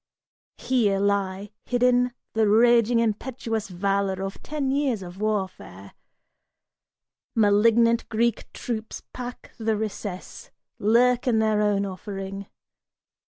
Here lie hidden The raging impetuous valor of ten years of warfare. Malignant Greek troops pack the recess, lurk in their own offering.